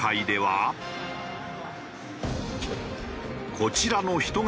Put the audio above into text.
こちらの人型